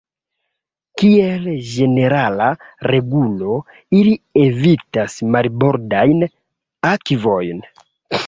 Kiel ĝenerala regulo, ili evitas marbordajn akvojn.